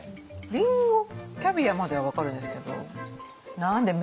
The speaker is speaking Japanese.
りんごキャビアまでは分かるんですけど何でめざし？